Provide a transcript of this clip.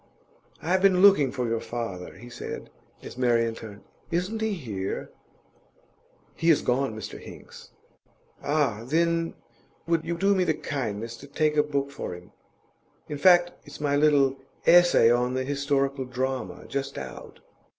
'I have been looking for your father,' he said, as Marian turned. 'Isn't he here?' 'He has gone, Mr Hinks.' 'Ah, then would you do me the kindness to take a book for him? In fact, it's my little "Essay on the Historical Drama," just out.